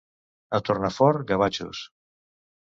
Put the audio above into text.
A Tornafort, gavatxos.